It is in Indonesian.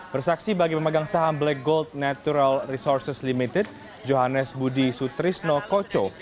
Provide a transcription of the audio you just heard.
bersaksi bagi pemegang saham black gold natural resources limited johannes budi sutrisno koco